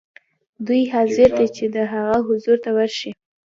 دی حاضر دی چې د هغه حضور ته ورسي.